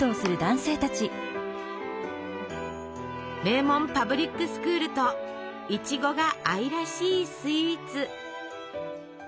名門パブリックスクールといちごが愛らしいスイーツ。